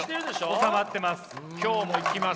収まってます。